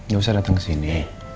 gak usah datang ke sini